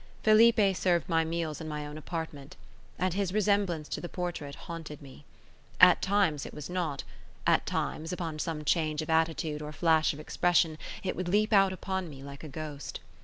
Felipe served my meals in my own apartment; and his resemblance to the portrait haunted me. At times it was not; at times, upon some change of attitude or flash of expression, it would leap out upon me like a ghost.